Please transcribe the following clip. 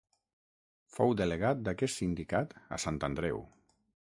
Fou delegat d'aquest sindicat a Sant Andreu.